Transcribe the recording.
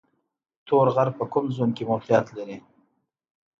تور غر په کوم زون کې موقعیت لري؟